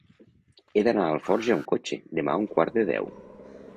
He d'anar a Alforja amb cotxe demà a un quart de deu.